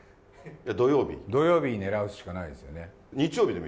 土曜日狙うしかないですよね。